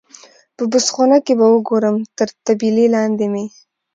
په بوس خونه کې به وګورم، تر طبیلې لاندې مې.